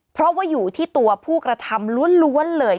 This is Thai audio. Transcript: เพราะว่าอยู่ที่ตัวผู้กระทำล้วนเลย